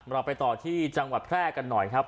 เราไปต่อที่จังหวัดแพร่กันหน่อยครับ